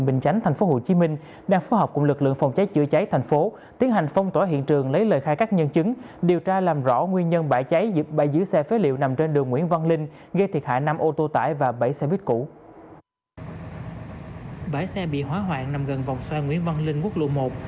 bãi xe bị hóa hoạn nằm gần vòng xoay nguyễn văn linh quốc lộ một